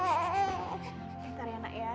sebentar ya anak ya